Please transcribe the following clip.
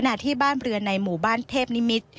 ที่บ้านเรือนในหมู่บ้านเทพนิมิตร